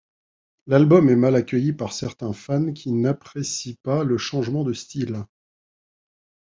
L'album est mal accueilli par certains fans qui n'apprécient pas le changement de style.